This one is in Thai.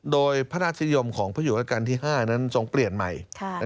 โดยพระนาธิโยมของพระอยู่กับกันที่๕นั้นส่งเปลี่ยนใหม่